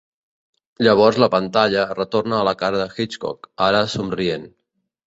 Llavors la pantalla retorna a la cara de Hitchcock, ara somrient.